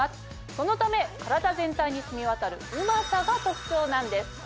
そのため体全体に染み渡るうまさが特徴なんです。